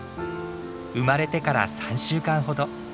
生まれてから３週間ほど。